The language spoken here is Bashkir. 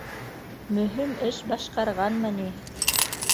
Мөһим эш башҡарғанмы ни!